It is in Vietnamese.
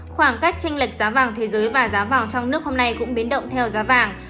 khoảng cách tranh lệch giá vàng thế giới và giá vàng trong nước hôm nay cũng biến động theo giá vàng